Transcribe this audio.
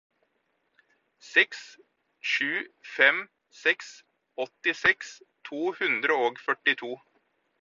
seks sju fem seks åttiseks to hundre og førtito